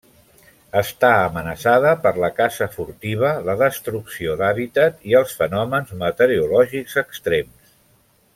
Està amenaçada per la caça furtiva, la destrucció d'hàbitat i els fenòmens meteorològics extrems.